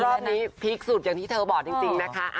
รอบนี้พีคสุดอย่างที่เธอบอกจริงนะคะ